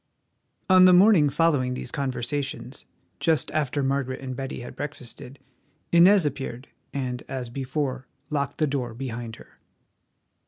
On the morning following these conversations, just after Margaret and Betty had breakfasted, Inez appeared, and, as before, locked the door behind her.